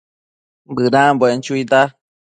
Bëdambuen chuita